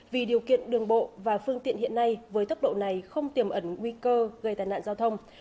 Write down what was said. vì điều kiện đường bộ và phương tiện hiện nay với tốc độ này không tiềm ẩn nguy cơ gây tai nạn giao thông